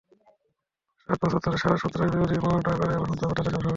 সাত বছর ধরে তারা সন্ত্রাসবাদবিরোধী মহড়া করছে এবং সন্ত্রাসবাদ তাদের জন্য সমস্যা।